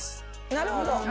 なるほど。